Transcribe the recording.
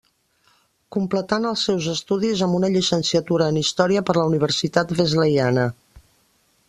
Completant els seus estudis amb una llicenciatura en història per la Universitat Wesleyana.